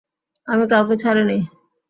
আমি কাউকে ছাড়িনি।